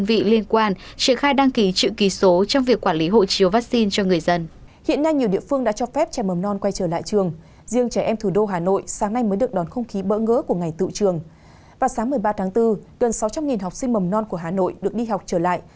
vào sáng một mươi ba tháng bốn gần sáu trăm linh học sinh mầm non của hà nội được đi học trở lại